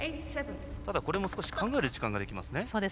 これも少し、考える時間ができますね。